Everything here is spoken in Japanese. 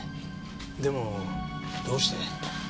でもどうして。